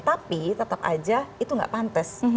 tapi tetap aja itu nggak pantas